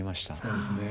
そうですね。